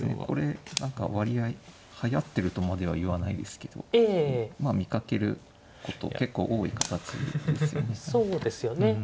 これ何か割合はやってるとまでは言わないですけどまあ見かけること結構多い形ですよね。